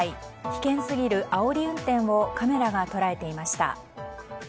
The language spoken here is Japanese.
危険すぎるあおり運転をカメラが捉えていました。